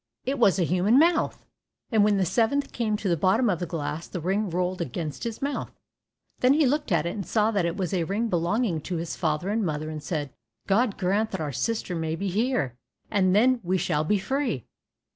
It was a human mouth." And when the seventh came to the bottom of the glass, the ring rolled against his mouth. Then he looked at it, and saw that it was a ring belonging to his father and mother, and said, "God grant that our sister may be here, and then we shall be free."